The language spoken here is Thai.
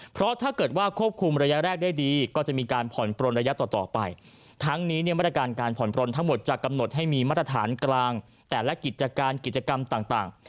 เพราะถ้าเกิดว่าควบคุมระยะแรกได้ดีก็จะมีการผ่อนปลนระยะต่อต่อไปทั้งนี้เนี่ยมาตรการการผ่อนปลนทั้งหมดจะกำหนดให้มีมาตรฐานกลางแต่ละกิจการกิจกรรมต่าง